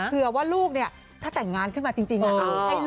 เผื่อว่าลูกเนี่ยถ้าแต่งงานขึ้นมาจริง